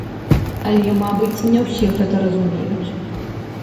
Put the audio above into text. Але, мабыць, не ўсе гэта разумеюць.